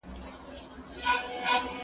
زه مخکي اوبه پاکې کړې وې!.